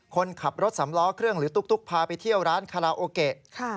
คนขับรถสำล้อเครื่องหรือตุ๊กพาไปเที่ยวร้านคาราโอเกะ